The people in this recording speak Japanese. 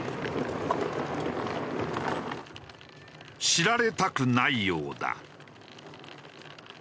知られたくないようだ。